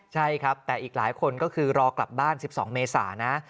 ใช่ครับแต่อีกหลายคนก็คือรอกลับบ้าน๑๒เมษานะ